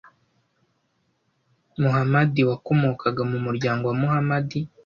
Moḥammad wakomokaga mu muryango wa Muhamadi